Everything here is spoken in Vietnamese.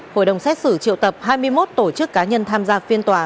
hội đồng xét xử triệu tập hai mươi một tổ chức cá nhân tham gia phiên tòa